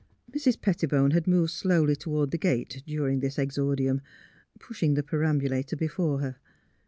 " Mrs. Pettibone had moved slowly toward the gate during this exordium, pushing the peram bulator before her.